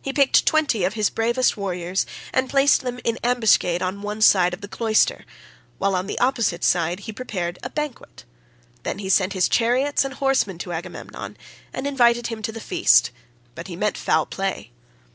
He picked twenty of his bravest warriors and placed them in ambuscade on one side the cloister, while on the opposite side he prepared a banquet. Then he sent his chariots and horsemen to Agamemnon, and invited him to the feast, but he meant foul play.